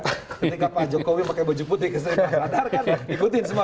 ketika pak jokowi pakai baju putih kesana kesana